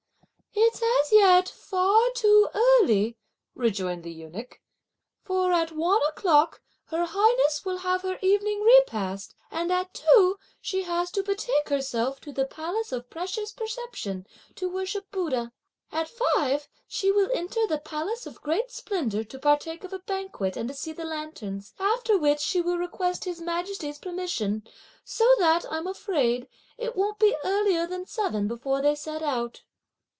"It's as yet far too early," rejoined the eunuch, "for at one o'clock (her highness) will have her evening repast, and at two she has to betake herself to the Palace of Precious Perception to worship Buddha. At five, she will enter the Palace of Great Splendour to partake of a banquet, and to see the lanterns, after which, she will request His Majesty's permission; so that, I'm afraid, it won't be earlier than seven before they set out."